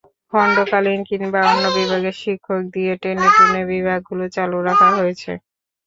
খণ্ডকালীন কিংবা অন্য বিভাগের শিক্ষক দিয়ে টেনেটুনে বিভাগগুলো চালু রাখা হয়েছে।